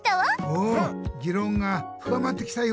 おおぎろんがふかまってきたようだね。